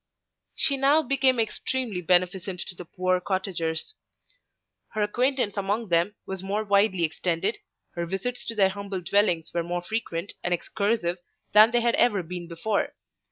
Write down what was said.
She now became extremely beneficent to the poor cottagers. Her acquaintance among them was more widely extended, her visits to their humble dwellings were more frequent and excursive than they had ever been before.